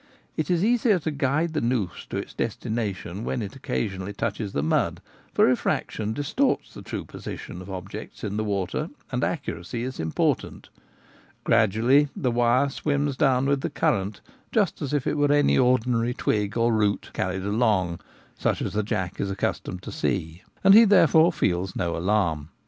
It is easier to guide the noose to its destination when it occasionally touches the mud, for refraction distorts the true posi tion of objects in water, and accuracy is important. Grip of the Wire. 133 Gradually the wire swims down with the current, just as if it were any ordinary twig or root carried along, such as the jack is accustomed to see, and he therefore feels no alarm.